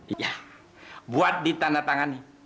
iya buat ditandatangani